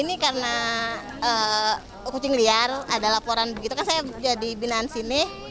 ini karena kucing liar ada laporan begitu kan saya jadi binaan sini